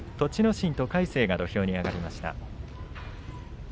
心と魁聖が土俵に上がりました。